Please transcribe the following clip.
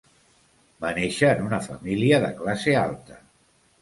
Va néixer en una família de classe alta.